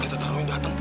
kita taruhin dateng